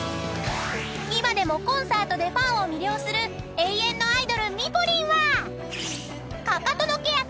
［今でもコンサートでファンを魅了する永遠のアイドルミポリンは］